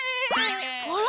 あら？